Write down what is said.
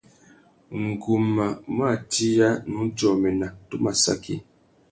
Ngu má mù atiya, nnú djômena, tu má saki.